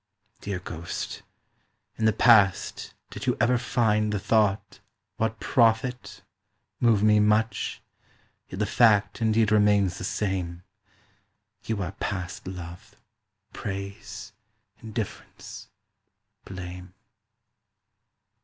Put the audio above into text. Dear ghost, in the past did you ever find The thought "What profit?" move me much Yet the fact indeed remains the same, You are past love, praise, indifference, blame.